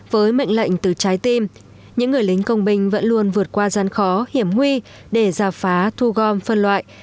với mệnh lệnh từ trái tim những người lính công binh vẫn luôn vượt qua gian khó hiểm huy để giả phá thu gom phân loại